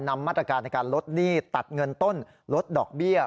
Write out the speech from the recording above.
นำมาตรการในการลดหนี้ตัดเงินต้นลดดอกเบี้ย